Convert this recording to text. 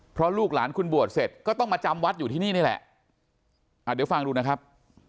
เพราะลูกหลานคุณบวชเสร็จก็ต้องมาจำวัดอยู่ที่นี่นี่แหละเดี๋ยวฟังดูนะครับ